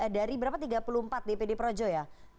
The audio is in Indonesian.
dari berapa tiga puluh empat dpd projo ya